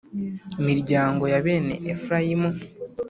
Miryango ya bene efurayimu